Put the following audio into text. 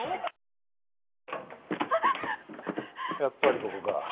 やっぱりここか。